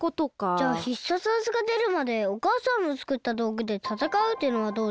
じゃあ必殺技がでるまでおかあさんのつくったどうぐでたたかうってのはどうですか？